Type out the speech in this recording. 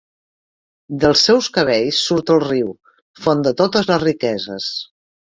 Dels seus cabells surt el riu, font de totes les riqueses.